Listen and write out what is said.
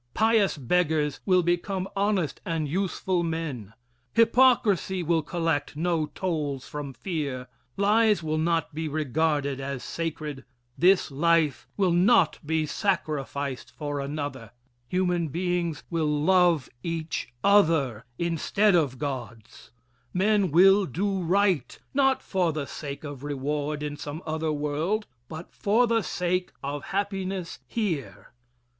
Pious beggars will become honest and useful men. Hypocrisy will collect no tolls from fear, lies will not be regarded as sacred, this life will not be sacrificed for another, human beings will love each other instead of gods, men will do right, not for the sake of reward in some other world, but for the sake of happiness here.